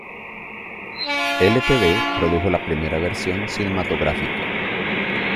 Ltd., produjo la primera versión cinematográfica.